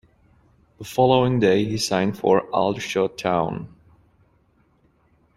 The following day he signed for Aldershot Town.